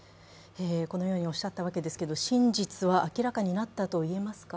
このようにおっしゃったわけですけれども、真実は明らかになったと言えますか？